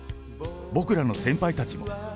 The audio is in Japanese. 僕らの先輩たちも。